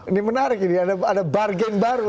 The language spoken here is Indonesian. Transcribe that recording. ini menarik ini ada bargain baru